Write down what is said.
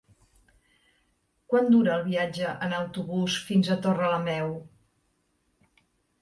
Quant dura el viatge en autobús fins a Torrelameu?